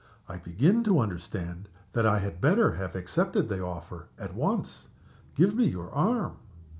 I begin to understand that I had better have accepted the offer at once. Give me your arm."